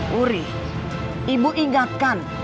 wuri ibu ingatkan